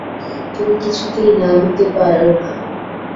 তুমি কিছুতেই নাবতে পার না।